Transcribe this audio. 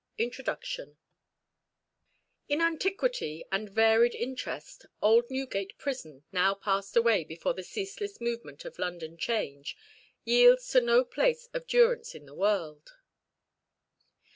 INTRODUCTION In antiquity and varied interest old Newgate prison, now passed away before the ceaseless movement of London change, yields to no place of durance in the world.